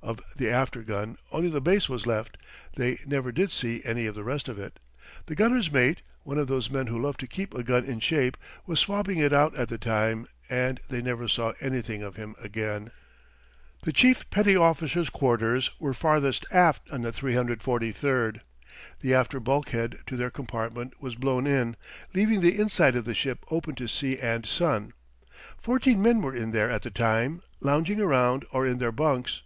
Of the after gun only the base was left; they never did see any of the rest of it. The gunner's mate, one of those men who love to keep a gun in shape, was swabbing it out at the time, and they never saw anything of him again. The chief petty officers' quarters were farthest aft on the 343. The after bulkhead to their compartment was blown in, leaving the inside of the ship open to sea and sun. Fourteen men were in there at the time, lounging around or in their bunks.